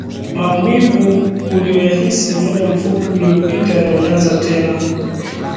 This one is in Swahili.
Maumivu aliyoyahisi muda mfupi uliopita yalianza tena